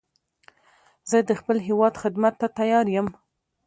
زه د خپل هېواد خدمت ته تیار یم